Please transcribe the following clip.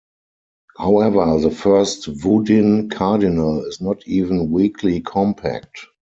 However, the first Woodin cardinal is not even weakly compact.